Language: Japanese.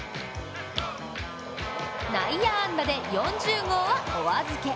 内野安打で４０号はお預け。